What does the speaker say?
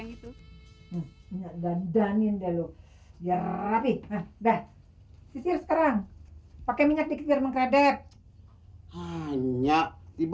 itu dan dan indelok jadi udah sisir sekarang pakai minyak dikit mengkedek hanya tiba tiba